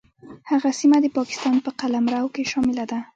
هغه سیمه د پاکستان په قلمرو کې شامله ده.